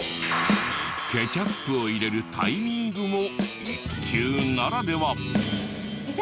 ケチャップを入れるタイミングも１級ならでは。